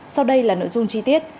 sau đây là nội dung chi tiết